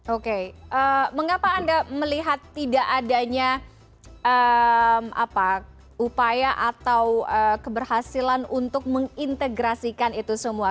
oke mengapa anda melihat tidak adanya upaya atau keberhasilan untuk mengintegrasikan itu semua